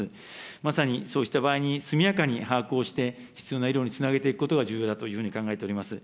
まさにそうした場合に速やかに把握をして、必要な医療につなげていくことが重要だというふうに考えております。